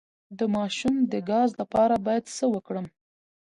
د ماشوم د ګاز لپاره باید څه وکړم؟